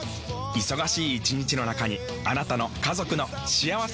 忙しい一日の中にあなたの家族の幸せな時間をつくります。